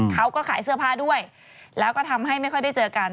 เขาก็ขายเสื้อผ้าด้วยแล้วก็ทำให้ไม่ค่อยได้เจอกัน